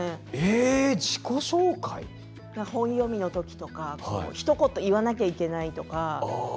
本読みのときとかひと言言わなきゃいけないっていうときは。